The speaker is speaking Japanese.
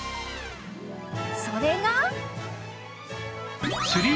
それが